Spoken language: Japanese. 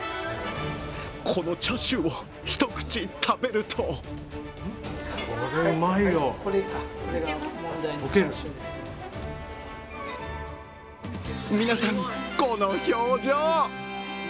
このチャーシューを一口食べると皆さん、この表情。